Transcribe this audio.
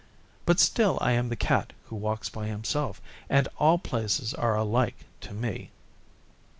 But still I am the Cat who walks by himself, and all places are alike to me.